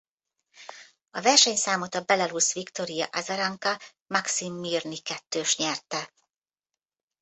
A versenyszámot a belarusz Viktorija Azaranka–Makszim Mirni-kettős nyerte.